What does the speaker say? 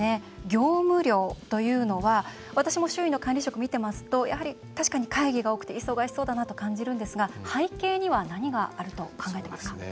業務量というのは私も周囲の管理職見てますとやはり確かに会議が多くて忙しそうだなと感じるんですが、背景には何があると考えていますか？